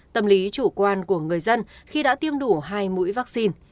tâm lý chủ quan của người dân khi đã tiêm đủ hai mũi vaccine